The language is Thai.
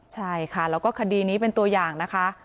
ใช่ค่ะแล้วก็คดีนี้เป็นตัวอย่างนะคะ